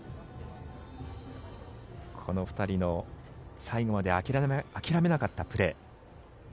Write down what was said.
この２人の最後まで諦めなかったプレー。